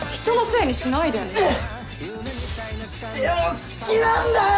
でも好きなんだよ！